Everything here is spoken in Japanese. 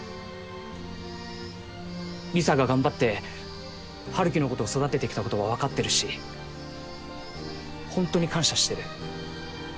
理沙が頑張って春樹のことを育ててきたことは分かってるしホントに感謝してる。